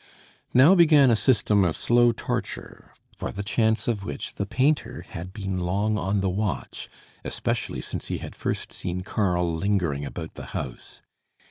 Now began a system of slow torture, for the chance of which the painter had been long on the watch especially since he had first seen Karl lingering about the house.